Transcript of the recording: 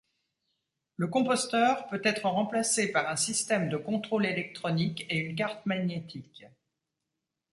Le composteur peut-être remplacé par un système de contrôle électronique et une carte magnétique.